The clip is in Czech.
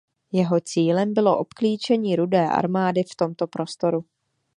Jejím cílem bylo obklíčení Rudé armády v tomto prostoru.